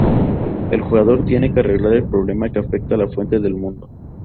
El jugador tiene que arreglar el problema que afecta la fuente del mundo.